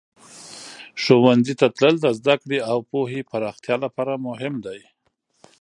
ښوونځي ته تلل د زده کړې او پوهې پراختیا لپاره مهم دی.